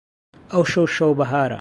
ئەوشەو شەو بەهارە